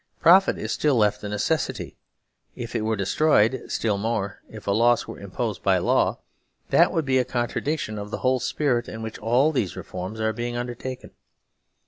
Profit is still left a necessity. If it were de stroyed, still more if a loss were imposed by law, that would be a contradiction of the whole spirit in which all these reforms are being undertaken.